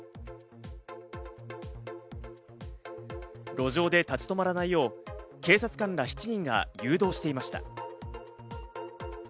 路上で立ち止まらないよう警察官ら７人が誘導していました。